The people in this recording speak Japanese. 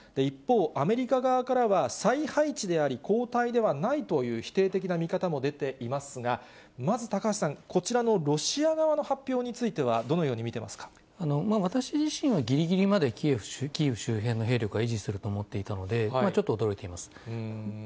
一方、アメリカ側からは、再配置であり後退ではないという否定的な見方も出ていますが、まず高橋さん、こちらのロシア側の発表についてはどのように見て私自身は、ぎりぎりまでキーウ周辺の兵力は維持すると思っていたので、ちょっと驚いています。